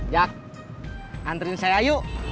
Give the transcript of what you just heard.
jak anterin saya yuk